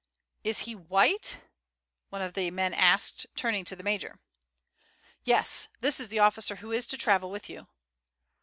"Is he white?" one of the men asked, turning to the major. "Yes, this is the officer who is to travel with you."